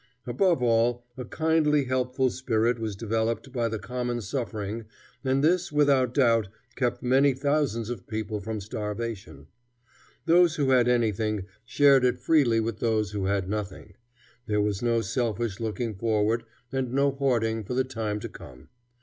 Above all, a kindly, helpful spirit was developed by the common suffering and this, without doubt, kept many thousands of people from starvation. Those who had anything shared it freely with those who had nothing. There was no selfish looking forward, and no hoarding for the time to come.